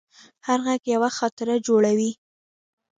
هر غږ یوه خاطره جوړوي.